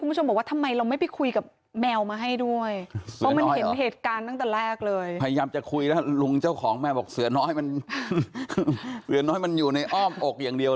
คุณผู้ชมบอกว่าเรื่องนี้คือน่าชื่นชมพลเมืองดี